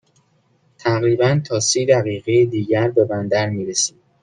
تقریباً تا سی دقیقه دیگر به بندر می رسیم.